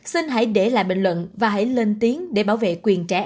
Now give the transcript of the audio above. xin hãy để lại bình luận và hãy lên tiếng để bảo vệ quyền trẻ